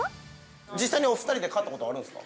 実際にお二人で買ったことはあるんですか。